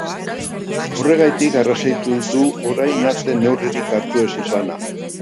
Horregatik arrazoitu du orain arte neurririk hartu ez izana.